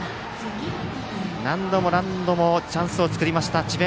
何度も何度もチャンスを作りました智弁